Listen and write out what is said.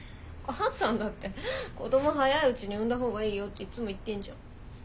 お母さんだって子ども早いうちに産んだ方がいいよっていつも言ってんじゃん。